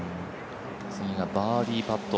次がバーディーパット。